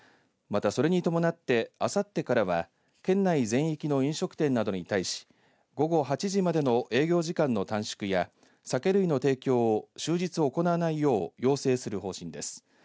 またそれに伴ってあさってからは県内全域の飲食店などに対し午後８時まで営業時間の短縮や酒類の提供を終日行わないよう要請する方針です。